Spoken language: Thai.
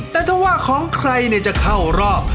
แต่ถ้าว่าของใครจะเข้ารอบ